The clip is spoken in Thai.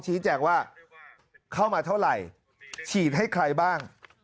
ชี้แจงว่าเข้ามาเท่าไหร่ฉีดให้ใครบ้าง